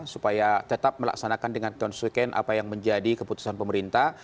supaya tetap melaksanakan dengan konstiqen apa yang menjadi keputusan pemerintah